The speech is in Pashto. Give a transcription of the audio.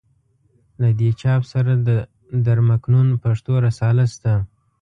له دې چاپ سره د در مکنون پښتو رساله شته.